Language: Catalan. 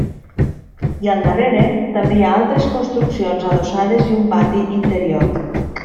I al darrere també hi ha altres construccions adossades i un pati interior.